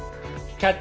「キャッチ！